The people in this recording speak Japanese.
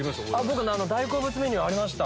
僕大好物メニューありました。